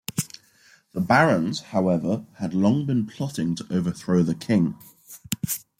The barons, however, had long been plotting to overthrow the king.